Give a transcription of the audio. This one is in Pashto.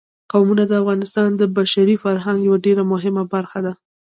قومونه د افغانستان د بشري فرهنګ یوه ډېره مهمه برخه ده.